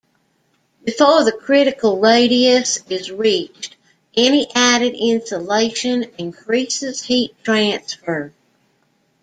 Before the critical radius is reached any added insulation increases heat transfer.